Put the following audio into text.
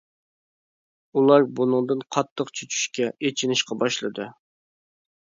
ئۇلار بۇنىڭدىن قاتتىق چۈچۈشكە، ئېچىنىشقا باشلىدى.